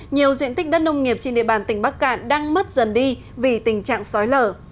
nhiều diện tích đất nông nghiệp trên địa bàn tỉnh bắc cạn đang mất dần đi vì tình trạng sói lở